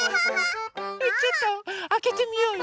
⁉ちょっとあけてみようよ。